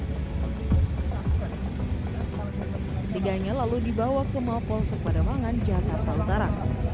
ketiganya lalu dibawa ke mapolsek pada mangan jakarta utara